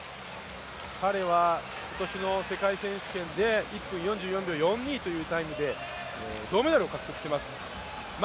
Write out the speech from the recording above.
彼は今年の世界選手権で１分４４秒４２というタイムで銅メダルを獲得しています。